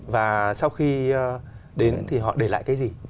và sau khi đến thì họ để lại cái gì